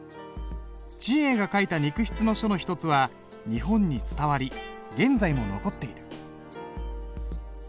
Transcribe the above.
智永が書いた肉筆の書の一つは日本に伝わり現在も残っている。